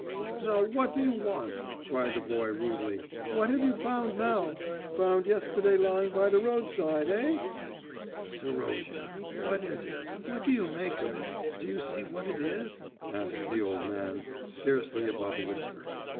"Now what do you want?" cried the boy rudely. "What have you found now? Found yesterday lying by the roadside, eh?" "Serozha ... what is it?... What do you make of it? Do you see what it is?" asked the old man, scarcely above a whisper.